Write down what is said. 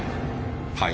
はい？